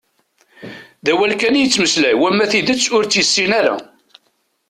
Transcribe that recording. D awal kan i yettmeslay, wama tidet u tt-yessin ara.